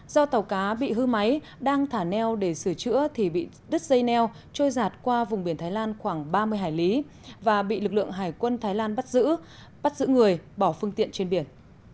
do tàu cá bị hư máy đang thả neo để sửa chữa thì bị đứt dây neo trôi giạt qua vùng biển thái lan khoảng ba mươi hải lý và bị lực lượng hải quân thái lan bắt giữ bắt giữ người bỏ phương tiện trên biển